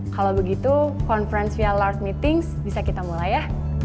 kalau begitu conference nya larve meetings bisa kita mulai ya